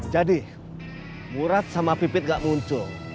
jadi murad sama pipit gak muncul